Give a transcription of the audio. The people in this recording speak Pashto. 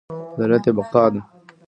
عدالت کې بقا ده